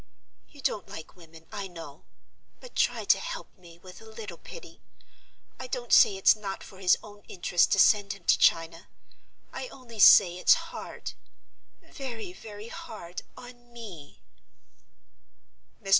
You don't like women, I know; but try to help me with a little pity. I don't say it's not for his own interests to send him to China; I only say it's hard—very, very hard on me." Mr.